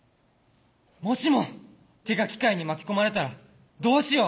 「もしも手が機械に巻き込まれたらどうしよう」。